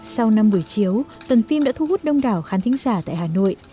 sau năm buổi chiếu tuần phim đã thu hút đông đảo khán thính giả tại hà nội